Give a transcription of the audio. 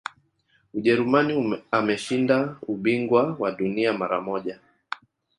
ujerumani ameshinda ubingwa wa dunia mara moja